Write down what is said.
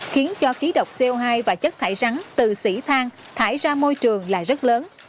khiến cho khí độc co hai và chất thải rắn từ xỉ than thải ra môi trường là rất lớn